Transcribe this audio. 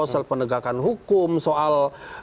soal penegakan hukum soal